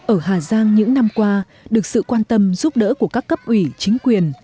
ở hà giang những năm qua được sự quan tâm giúp đỡ của các cấp ủy chính quyền